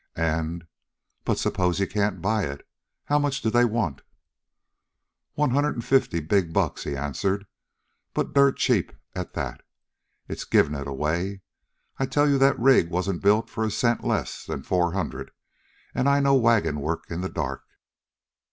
And but suppose you can't buy it? How much do they want?" "One hundred an' fifty big bucks," he answered. "But dirt cheap at that. It's givin' it away. I tell you that rig wasn't built for a cent less than four hundred, an' I know wagon work in the dark.